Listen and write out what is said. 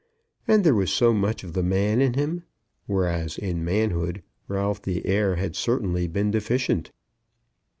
And there was so much of the man in him; whereas, in manhood, Ralph the heir had certainly been deficient.